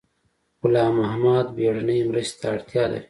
غلام محد بیړنۍ مرستې ته اړتیا لري